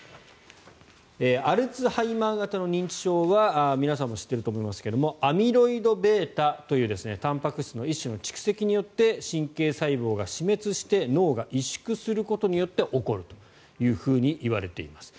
アルツハイマー型の認知症は皆さんも知っていると思いますがアミロイドβというたんぱく質の一種の蓄積によって神経細胞が死滅して脳が萎縮することによって起こるといわれています。